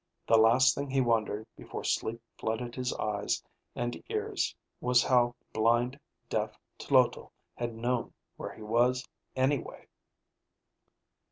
The last thing he wondered before sleep flooded his eyes and ears was how blind, deaf Tloto had known where he was anyway.